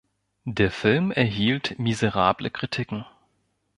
Der Film erhielt miserable Kritiken.